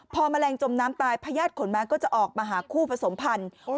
พอแมลงจมน้ำตายพญาติขนม้าก็จะออกมาหาคู่ผสมพันธุ์